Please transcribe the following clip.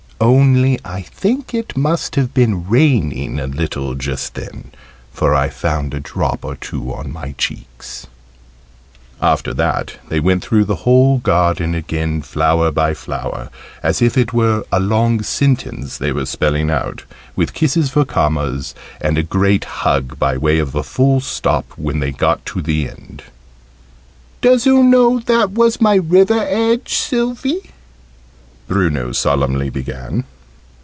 Only I think it must have been raining a little just then, for I found a drop or two on my cheeks. After that they went through the whole garden again, flower by flower, as if it were a long sentence they were spelling out, with kisses for commas, and a great hug by way of a full stop when they got to the end. "Doos oo know, that was my river edge, Sylvie?" Bruno solemnly began.